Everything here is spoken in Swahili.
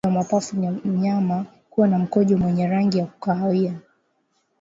Dalili ya ugonjwa wa mapafu ni mnyama kuwa na mkojo wenye rangi ya kahawia